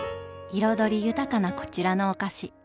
彩り豊かなこちらのお菓子。